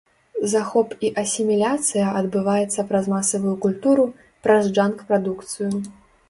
Захоп і асіміляцыя адбываецца праз масавую культуру, праз джанк-прадукцыю.